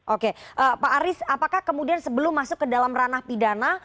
oke pak aris apakah kemudian sebelum masuk ke dalam ranah pidana